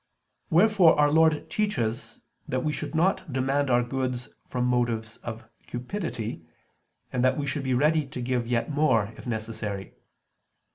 Wherefore Our Lord teaches that we should not demand our goods from motives of cupidity, and that we should be ready to give yet more if necessary.